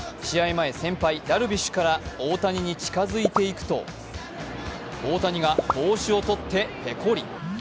前、先輩・ダルビッシュから大谷に近づいていくと大谷が帽子を取ってペコリ。